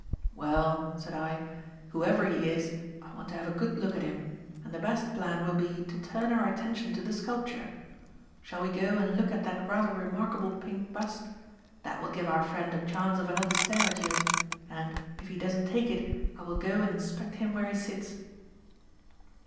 "Well," said I, "whoever he is, I want to have a good look at him, and the best plan will be to turn our attention to the sculpture. Shall we go and look at that rather remarkable pink bust? That will give our friend a chance of another stare at you, and, if he doesn't take it, I will go and inspect him where he sits."